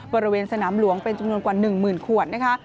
บริเวณสนามหลวงเป็นจำนวนกว่า๑หมื่นขวดนะคะ